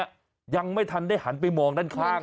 ยังไม่ทันได้หันไปมองด้านข้าง